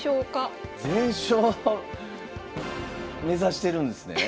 全勝目指してるんですね。